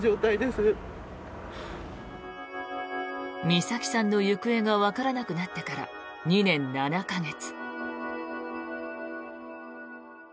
美咲さんの行方がわからなくなってから２年７か月。